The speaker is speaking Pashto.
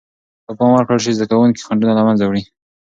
که پام ورکړل سي، زده کوونکي خنډونه له منځه وړي.